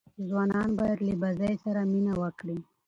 ځوانان باید له بازۍ سره مینه وکړي.